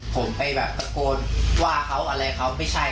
มึงมาเลยมึงมาเลยมีอะไรมั้ย